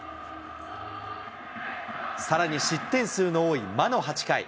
さらに失点数の多い魔の８回。